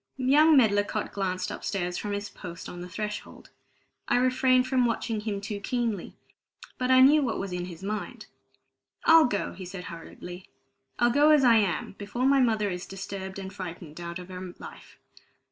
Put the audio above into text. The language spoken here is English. Young Medlicott glanced upstairs from his post on the threshold. I refrained from watching him too keenly, but I knew what was in his mind. "I'll go," he said hurriedly. "I'll go as I am, before my mother is disturbed and frightened out of her life.